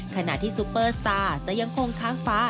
ขณะที่ซุปเปอร์สตาร์จะยังคงค้างฟ้า